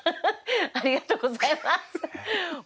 ありがとうございます！